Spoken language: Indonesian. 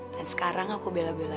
dan sekarang aku beli lebih banyak